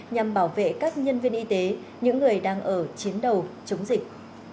nhằm bảo vệ các nhân viên y tế những người đang ở chiến đấu chống dịch